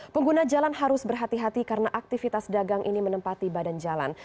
pengguna jalan harus berhati hati karena aktivitas dagang ini menempati badan jalan